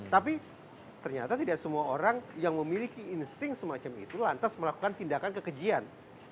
tapi ternyata tidak semua orang yang memiliki insting semacam itu lantas melakukan tindakan kekejian